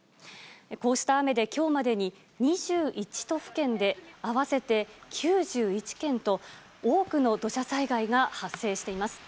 こうした雨で、きょうまでに２１都府県で合わせて９１件と、多くの土砂災害が発生しています。